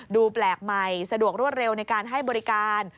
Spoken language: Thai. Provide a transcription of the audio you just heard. แปลกใหม่สะดวกรวดเร็วในการให้บริการ